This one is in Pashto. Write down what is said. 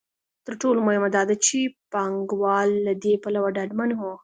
تر ټولو مهمه دا ده چې پانګوال له دې پلوه ډاډمن وو.